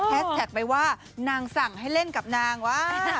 แท็กไปว่านางสั่งให้เล่นกับนางวะ